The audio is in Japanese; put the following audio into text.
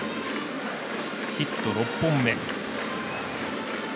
ヒット６本目。